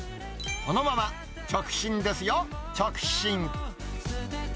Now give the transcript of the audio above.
このまま直進ですよ、直進。